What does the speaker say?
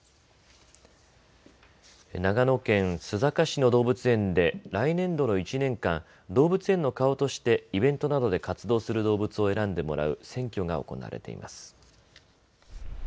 長野県須坂市の動物園で来年度の１年間、動物園の顔としてイベントなどで活動する動物を選んでもらう選挙が行われています。